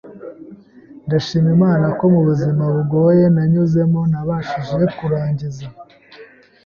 Ndashima Imana ko mu buzima bugoye nanyuzemo nabashije kurangiza